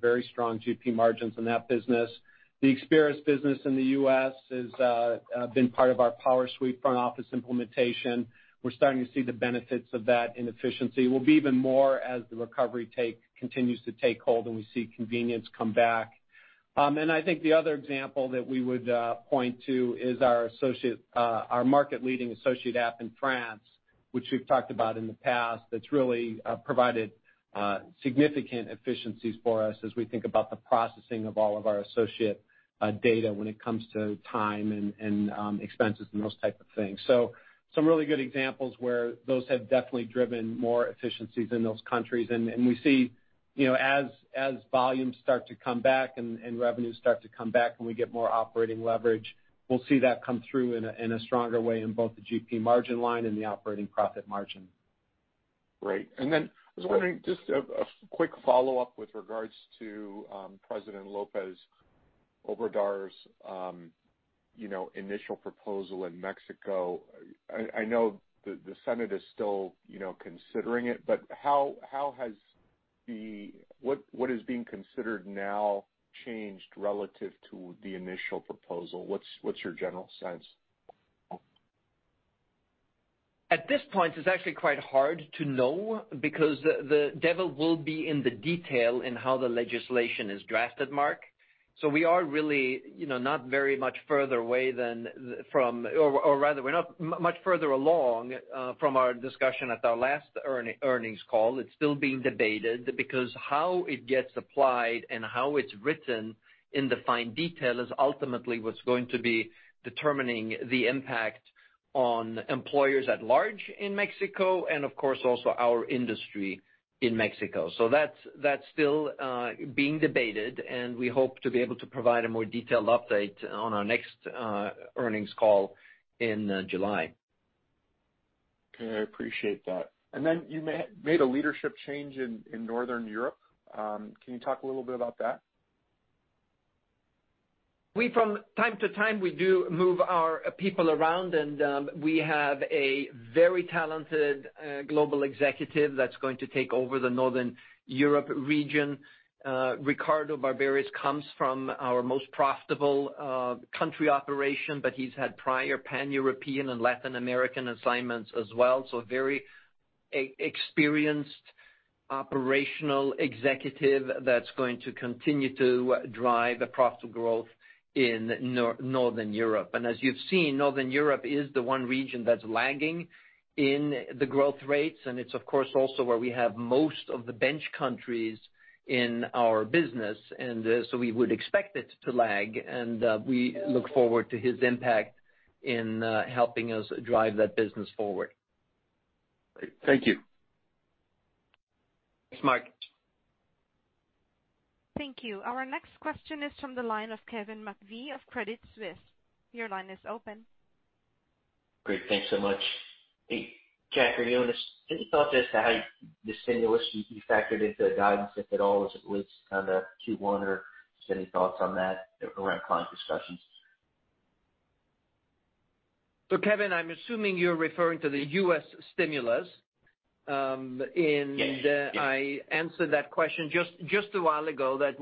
very strong GP margins in that business. The Experis business in the U.S. has been part of our PowerSuite front office implementation. We're starting to see the benefits of that in efficiency. Will be even more as the recovery continues to take hold and we see convenience come back. I think the other example that we would point to is our market-leading associate app in France, which we've talked about in the past, that's really provided significant efficiencies for us as we think about the processing of all of our associate data when it comes to time and expenses and those type of things. Some really good examples where those have definitely driven more efficiencies in those countries. We see as volumes start to come back and revenues start to come back and we get more operating leverage, we'll see that come through in a stronger way in both the GP margin line and the operating profit margin. Great. I was wondering, just a quick follow-up with regards to President López Obrador's initial proposal in Mexico. I know the Senate is still considering it, but what is being considered now changed relative to the initial proposal? What's your general sense? At this point, it's actually quite hard to know because the devil will be in the detail in how the legislation is drafted, Mark. We are really not very much further along from our discussion at our last earnings call. It's still being debated because how it gets applied and how it's written in the fine detail is ultimately what's going to be determining the impact on employers at large in Mexico and, of course, also our industry in Mexico. That's still being debated, and we hope to be able to provide a more detailed update on our next earnings call in July. Okay, I appreciate that. You made a leadership change in Northern Europe. Can you talk a little bit about that? From time to time, we do move our people around, and we have a very talented global executive that's going to take over the Northern Europe region. Riccardo Barberis comes from our most profitable country operation, but he's had prior Pan-European and Latin American assignments as well. Very experienced operational executive that's going to continue to drive profit growth in Northern Europe. As you've seen, Northern Europe is the one region that's lagging in the growth rates, and it's of course also where we have most of the bench countries in our business. We would expect it to lag, and we look forward to his impact in helping us drive that business forward. Thank you. Thanks, Mark. Thank you. Our next question is from the line of Kevin McVeigh of Credit Suisse. Your line is open. Great. Thanks so much. Hey, Jack or Jonas, any thought as to how the stimulus you factored into the guidance, if at all, was at least kind of Q1 or just any thoughts on that around client discussions? Kevin, I'm assuming you're referring to the U.S. stimulus. Yes. I answered that question just a while ago, that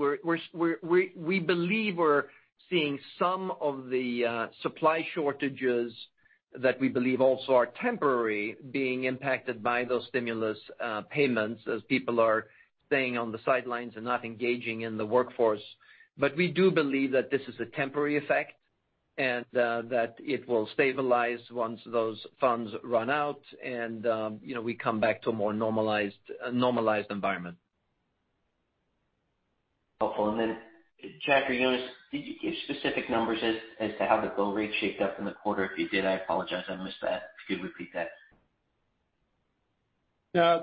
we believe we're seeing some of the supply shortages that we believe also are temporary being impacted by those stimulus payments as people are staying on the sidelines and not engaging in the workforce. We do believe that this is a temporary effect and that it will stabilize once those funds run out and we come back to a more normalized environment. Helpful. Jack or Jonas, did you give specific numbers as to how the bill rate shaped up in the quarter? If you did, I apologize, I missed that. If you could repeat that.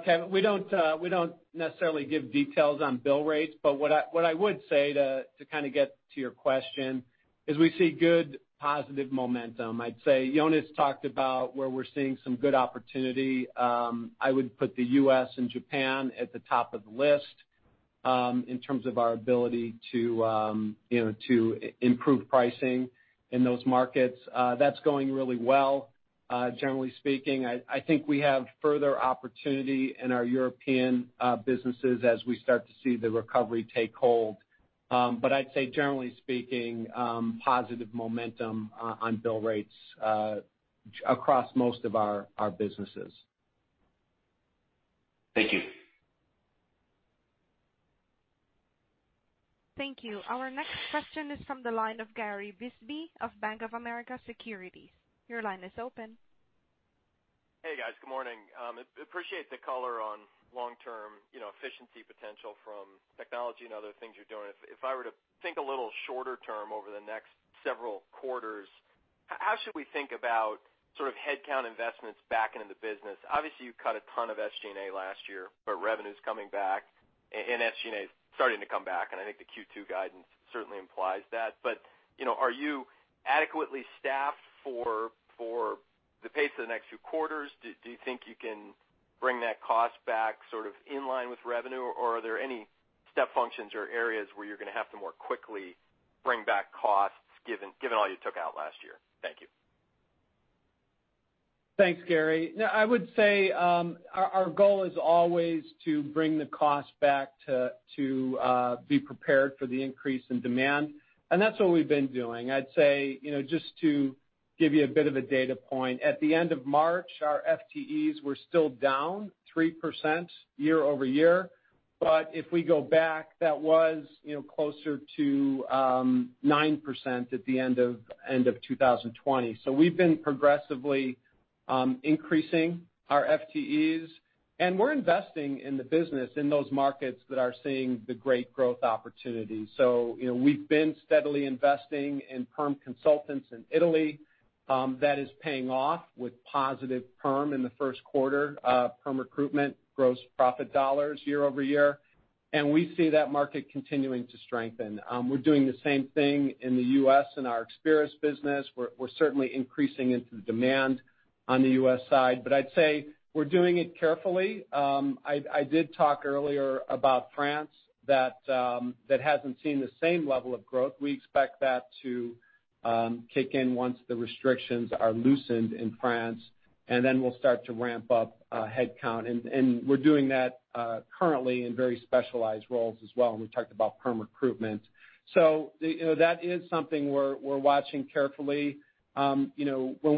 Kevin, we don't necessarily give details on bill rates. What I would say to get to your question is we see good positive momentum. I'd say Jonas talked about where we're seeing some good opportunity. I would put the U.S. and Japan at the top of the list in terms of our ability to improve pricing in those markets. That's going really well, generally speaking. I think we have further opportunity in our European businesses as we start to see the recovery take hold. I'd say generally speaking, positive momentum on bill rates across most of our businesses. Thank you. Thank you. Our next question is from the line of Gary Bisbee of Bank of America Securities. Your line is open. Hey, guys. Good morning. Appreciate the color on long-term efficiency potential from technology and other things you're doing. If I were to think a little shorter term over the next several quarters, how should we think about sort of headcount investments back into the business? Obviously, you cut a ton of SG&A last year, but revenue's coming back and SG&A is starting to come back, and I think the Q2 guidance certainly implies that. Are you adequately staffed for the pace of the next few quarters? Do you think you can bring that cost back sort of in line with revenue, or are there any step functions or areas where you're going to have to more quickly bring back costs given all you took out last year? Thank you. Thanks, Gary. I would say our goal is always to bring the cost back to be prepared for the increase in demand. That's what we've been doing. I'd say, just to give you a bit of a data point, at the end of March, our FTEs were still down 3% year-over-year. If we go back, that was closer to 9% at the end of 2020. We've been progressively increasing our FTEs, and we're investing in the business in those markets that are seeing the great growth opportunities. We've been steadily investing in perm consultants in Italy. That is paying off with positive perm in the first quarter, perm recruitment, gross profit $ year-over-year, and we see that market continuing to strengthen. We're doing the same thing in the U.S. in our Experis business. We're certainly increasing into the demand on the U.S. side. I'd say we're doing it carefully. I did talk earlier about France, that hasn't seen the same level of growth. We expect that to kick in once the restrictions are loosened in France. Then we'll start to ramp up headcount. We're doing that currently in very specialized roles as well. We talked about perm recruitment. That is something we're watching carefully. When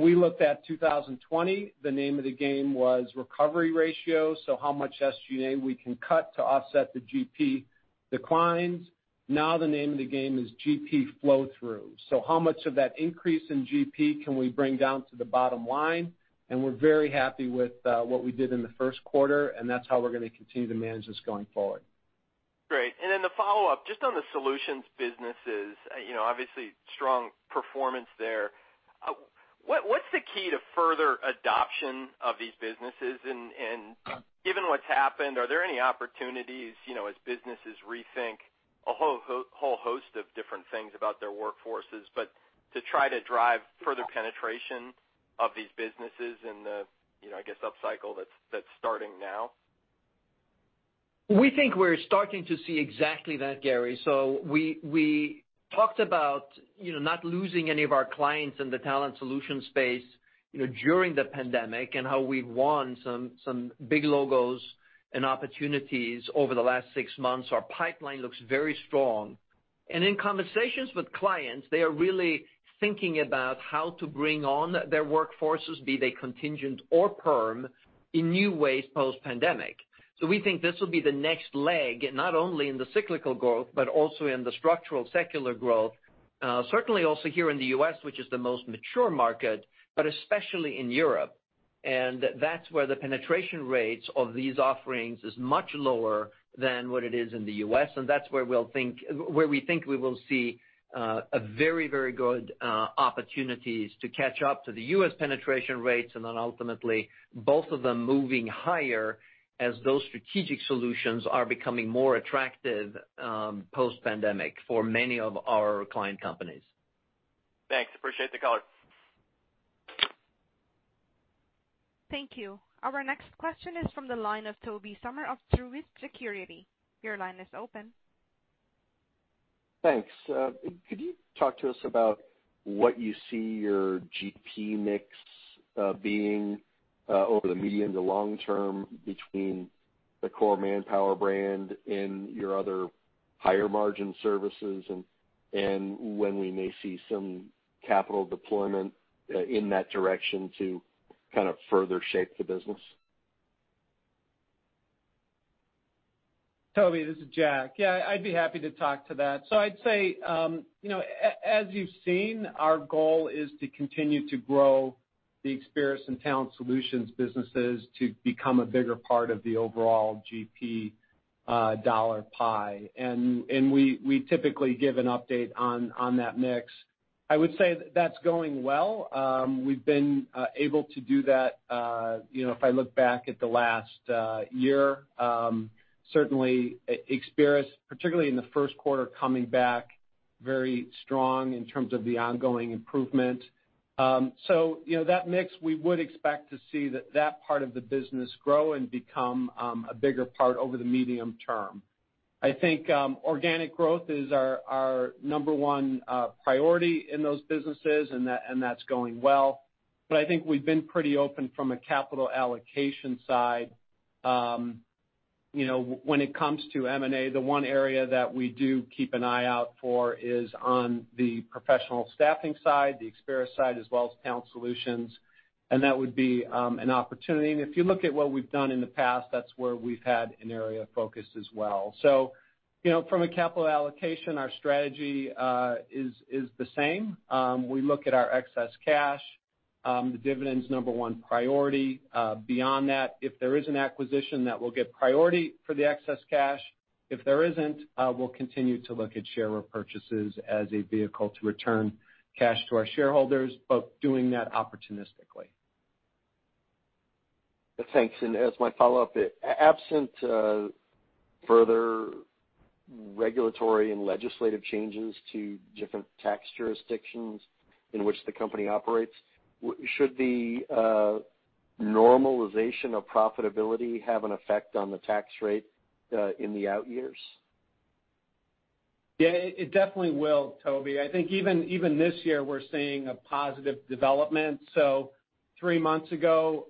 we looked at 2020, the name of the game was recovery ratio, so how much SG&A we can cut to offset the GP declines. Now the name of the game is GP flow-through. How much of that increase in GP can we bring down to the bottom line? We're very happy with what we did in the first quarter. That's how we're going to continue to manage this going forward. Great. And then the follow-up, just on the solutions businesses, obviously strong performance there. What's the key to further adoption of these businesses? Given what's happened, are there any opportunities, as businesses rethink a whole host of different things about their workforces, but to try to drive further penetration of these businesses in the, I guess, upcycle that's starting now? We think we're starting to see exactly that, Gary. We talked about not losing any of our clients in the talent solution space during the pandemic and how we've won some big logos and opportunities over the last six months. Our pipeline looks very strong. In conversations with clients, they are really thinking about how to bring on their workforces, be they contingent or perm, in new ways post-pandemic. We think this will be the next leg, not only in the cyclical growth, but also in the structural secular growth. Certainly also here in the U.S., which is the most mature market, but especially in Europe. That's where the penetration rates of these offerings is much lower than what it is in the U.S., and that's where we think we will see a very good opportunities to catch up to the U.S. penetration rates, and then ultimately both of them moving higher as those strategic solutions are becoming more attractive post-pandemic for many of our client companies. Thanks. Appreciate the color. Thank you. Our next question is from the line of Tobey Sommer of Truist Securities. Your line is open. Thanks. Could you talk to us about what you see your GP mix being over the medium to long term between the core Manpower brand and your other higher-margin services, and when we may see some capital deployment in that direction to kind of further shape the business? Tobey, this is Jack. Yeah, I'd be happy to talk to that. I'd say, as you've seen, our goal is to continue to grow the Experis and Talent Solutions businesses to become a bigger part of the overall GP dollar pie. We typically give an update on that mix. I would say that's going well. We've been able to do that. If I look back at the last year, certainly Experis, particularly in the first quarter, coming back very strong in terms of the ongoing improvement. That mix, we would expect to see that part of the business grow and become a bigger part over the medium term. I think organic growth is our number one priority in those businesses, and that's going well. I think we've been pretty open from a capital allocation side. When it comes to M&A, the one area that we do keep an eye out for is on the professional staffing side, the Experis side, as well as Talent Solutions. That would be an opportunity. If you look at what we've done in the past, that's where we've had an area of focus as well. From a capital allocation, our strategy is the same. We look at our excess cash. The dividend's number one priority. Beyond that, if there is an acquisition, that will get priority for the excess cash. If there isn't, we'll continue to look at share repurchases as a vehicle to return cash to our shareholders, doing that opportunistically. Thanks. As my follow-up, absent further regulatory and legislative changes to different tax jurisdictions in which the company operates, should the normalization of profitability have an effect on the tax rate in the out years? Yeah, it definitely will, Tobey. I think even this year, we're seeing a positive development. Three months ago,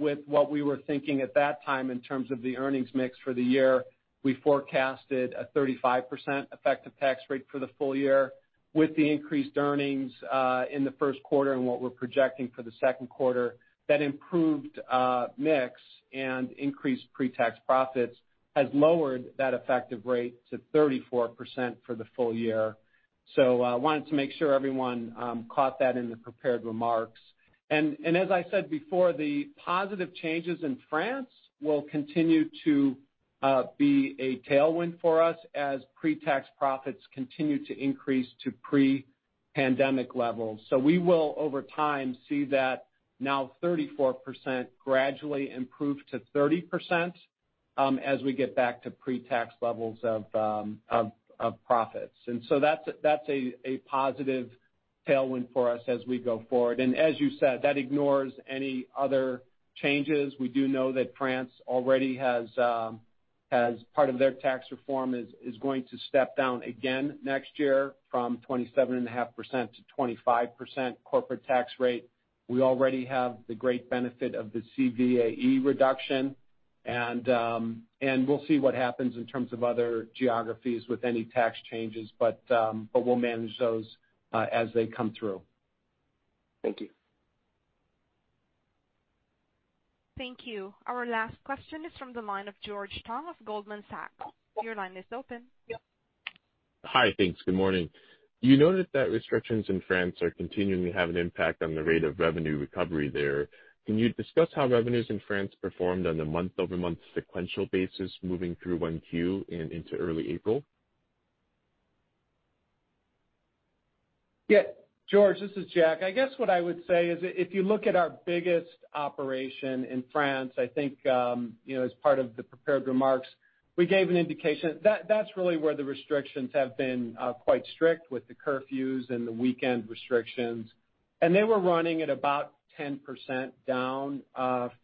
with what we were thinking at that time in terms of the earnings mix for the year, we forecasted a 35% effective tax rate for the full year. With the increased earnings in the first quarter and what we're projecting for the second quarter, that improved mix and increased pre-tax profits has lowered that effective rate to 34% for the full year. I wanted to make sure everyone caught that in the prepared remarks. As I said before, the positive changes in France will continue to be a tailwind for us as pre-tax profits continue to increase to pre-pandemic levels. We will, over time, see that now 34% gradually improve to 30% as we get back to pre-tax levels of profits. That's a positive tailwind for us as we go forward. As you said, that ignores any other changes. We do know that France already has, as part of their tax reform, is going to step down again next year from 27.5%-25% corporate tax rate. We already have the great benefit of the CVAE reduction, and we'll see what happens in terms of other geographies with any tax changes, but we'll manage those as they come through. Thank you. Thank you. Our last question is from the line of George Tong of Goldman Sachs. Your line is open. Hi. Thanks. Good morning. You noted that restrictions in France are continuing to have an impact on the rate of revenue recovery there. Can you discuss how revenues in France performed on a month-over-month sequential basis moving through 1Q and into early April? George, this is Jack. I guess what I would say is if you look at our biggest operation in France, I think, as part of the prepared remarks, we gave an indication. That's really where the restrictions have been quite strict with the curfews and the weekend restrictions. And they were running at about 10% down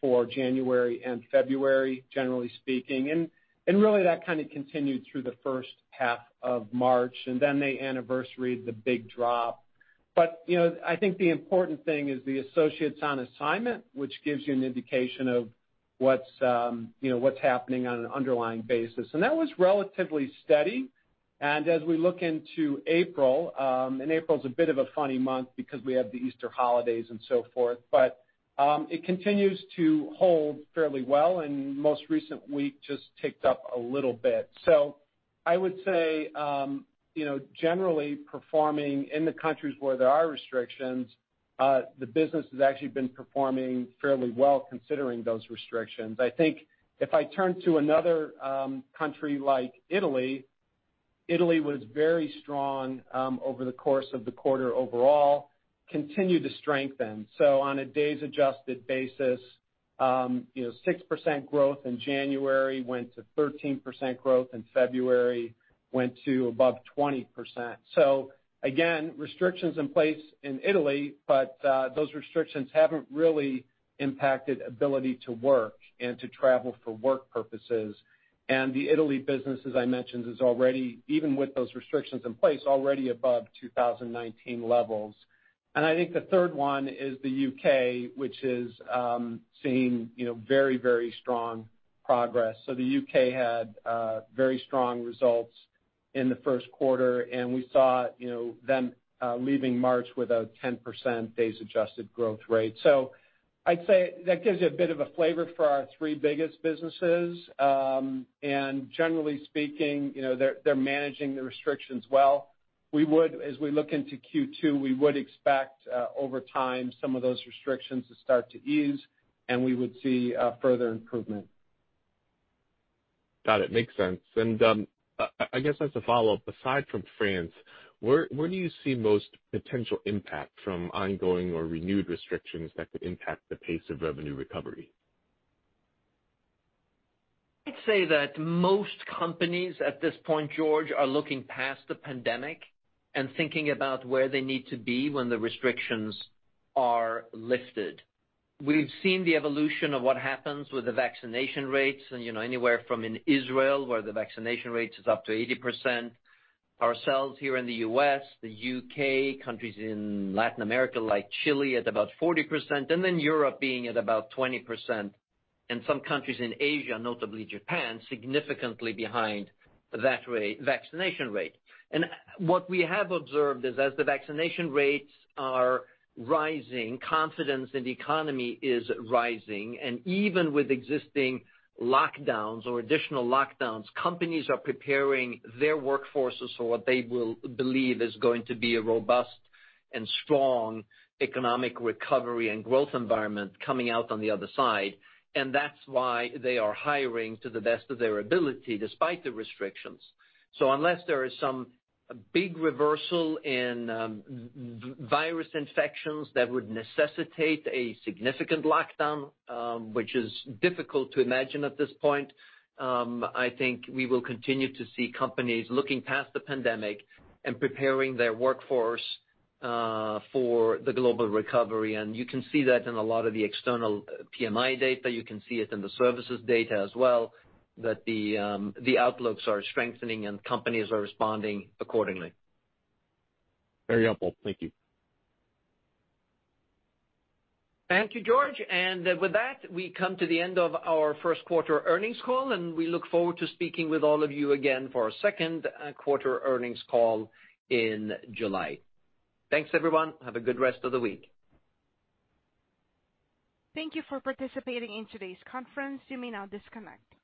for January and February, generally speaking. Really, that kind of continued through the first half of March, and then they anniversaried the big drop. I think the important thing is the associates on assignment, which gives you an indication of what's happening on an underlying basis. That was relatively steady. As we look into April, and April's a bit of a funny month because we have the Easter holidays and so forth, but it continues to hold fairly well and most recent week just ticked up a little bit. I would say generally performing in the countries where there are restrictions, the business has actually been performing fairly well considering those restrictions. I think if I turn to another country like Italy was very strong over the course of the quarter overall, continued to strengthen. On a days adjusted basis, 6% growth in January, went to 13% growth in February, went to above 20%. Again, restrictions in place in Italy, but those restrictions haven't really impacted ability to work and to travel for work purposes. The Italy business, as I mentioned, is already, even with those restrictions in place, already above 2019 levels. I think the third one is the U.K., which is seeing very strong progress. The U.K. had very strong results in the first quarter, and we saw them leaving March with a 10% days adjusted growth rate. I'd say that gives you a bit of a flavor for our three biggest businesses. Generally speaking, they're managing the restrictions well. As we look into Q2, we would expect, over time, some of those restrictions to start to ease, and we would see further improvement. Got it. Makes sense. I guess as a follow-up, aside from France, where do you see most potential impact from ongoing or renewed restrictions that could impact the pace of revenue recovery? I'd say that most companies at this point, George, are looking past the pandemic and thinking about where they need to be when the restrictions are lifted. We've seen the evolution of what happens with the vaccination rates, and anywhere from in Israel, where the vaccination rate is up to 80%, ourselves here in the U.S., the U.K., countries in Latin America, like Chile, at about 40%, and then Europe being at about 20%, and some countries in Asia, notably Japan, significantly behind vaccination rate. What we have observed is as the vaccination rates are rising, confidence in the economy is rising, and even with existing lockdowns or additional lockdowns, companies are preparing their workforces for what they believe is going to be a robust and strong economic recovery and growth environment coming out on the other side. That's why they are hiring to the best of their ability, despite the restrictions. Unless there is some big reversal in virus infections that would necessitate a significant lockdown, which is difficult to imagine at this point, I think we will continue to see companies looking past the pandemic and preparing their workforce for the global recovery. You can see that in a lot of the external PMI data. You can see it in the services data as well, that the outlooks are strengthening and companies are responding accordingly. Very helpful. Thank you. Thank you, George. With that, we come to the end of our first quarter earnings call, and we look forward to speaking with all of you again for our second quarter earnings call in July. Thanks, everyone. Have a good rest of the week. Thank you for participating in today's conference. You may now disconnect.